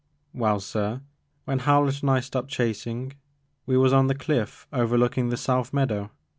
Well sir, when Howlett and I stopped chasin*, we was on the clifiF overlooking the south meadow.